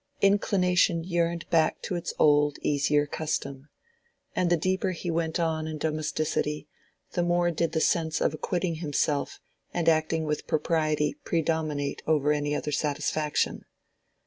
Inclination yearned back to its old, easier custom. And the deeper he went in domesticity the more did the sense of acquitting himself and acting with propriety predominate over any other satisfaction.